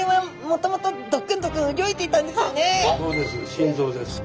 心臓です。